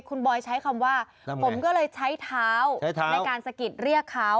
คุณบอยใช้คำว่าผมก็เลยใช้เท้าในการสะกิดเรียกเขา